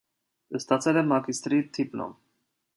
Ստացել է մագիստրի դիպլոմ։